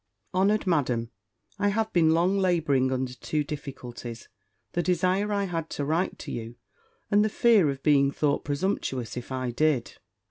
"HONOURED MADAM, "I have been long labouring under two difficulties; the desire I had to write to you, and the fear of being thought presumptuous if I did.